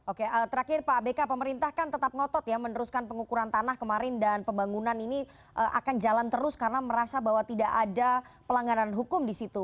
oke terakhir pak abk pemerintah kan tetap ngotot ya meneruskan pengukuran tanah kemarin dan pembangunan ini akan jalan terus karena merasa bahwa tidak ada pelanggaran hukum di situ